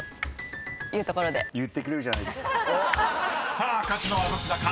［さあ勝つのはどちらか？